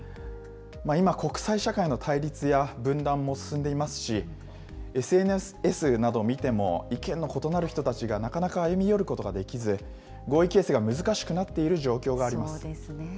今、国際社会の対立や分断も進んでいますし、ＳＮＳなど見ても意見の異なる人たちがなかなか歩み寄ることができず、合意形成が難しくなっている状況があります。